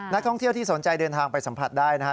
นักท่องเที่ยวที่สนใจเดินทางไปสัมผัสได้นะฮะ